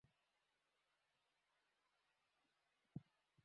ওটার কাছে পৌঁছাতে হবে।